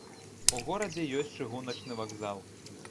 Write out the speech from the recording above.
У горадзе ёсць чыгуначны вакзал.